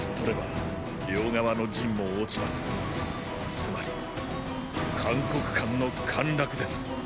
つまり函谷関の陥落です。